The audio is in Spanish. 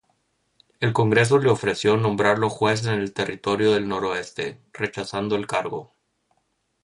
El Congreso le ofreció nombrarlo juez en el Territorio del Noroeste, rechazando el cargo.